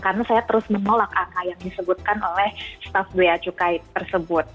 karena saya terus menolak angka yang disebutkan oleh staff beacukai tersebut